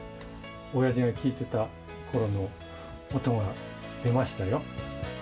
親父が聴いてたころの音が出ましたよ。